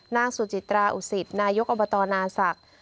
นางสุจิตราอุสิตนายกอบตนาศักดิ์